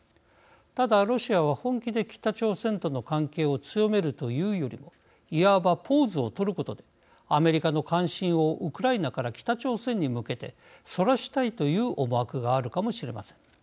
ただ、ロシアは本気で北朝鮮との関係を強めるというよりもいわばポーズを取ることでアメリカの関心をウクライナから北朝鮮に向けてそらしたいという思惑があるかもしれません。